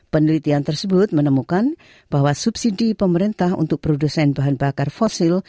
penelitian tersebut menemukan bahwa subsidi pemerintah untuk produsen bahan bakar fosil